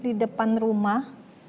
di depan rumah